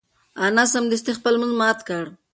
انا سمدستي خپل لمونځ مات کړ.